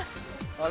あれ？